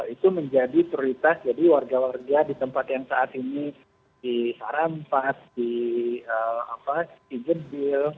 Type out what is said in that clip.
itu menjadi prioritas jadi warga warga di tempat yang saat ini di sarampas di jedil